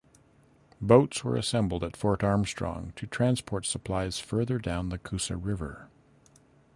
Boats were assembled at Fort Armstrong to transport supplies further down the Coosa River.